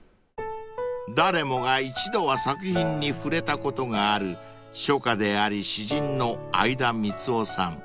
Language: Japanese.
［誰もが一度は作品に触れたことがある書家であり詩人の相田みつをさん］